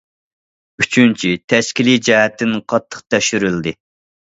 ئۈچىنچى، تەشكىلىي جەھەتتىن قاتتىق تەكشۈرۈلدى.